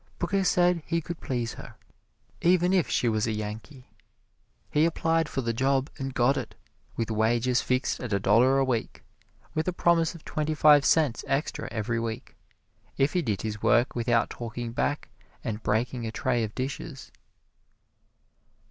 Booker said he could please her, even if she was a Yankee. He applied for the job and got it, with wages fixed at a dollar a week, with a promise of twenty five cents extra every week, if he did his work without talking back and breaking a tray of dishes.